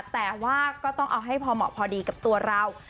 แต่ว่าก็ต้องเอาให้พอเหมาะพอดีกับตัวเรา